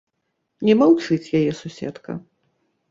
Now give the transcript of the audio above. Не маўчыць яе суседка.